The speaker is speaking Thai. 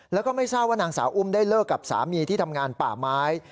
แล้วก็ไม่ทราบว่านางสาวอุ้มได้เลิกกับสามีที่ทำงานป่าไม้